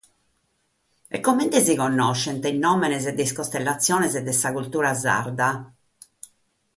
Ma comente si connoschent sos nùmenes de sas costellatziones de sa cultura sarda?